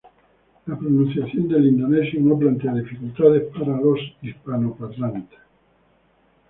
La pronunciación del indonesio no plantea dificultades para los hispanoparlantes.